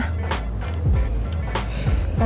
dia mau berubah